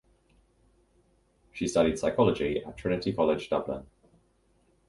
She studied Psychology at Trinity College Dublin.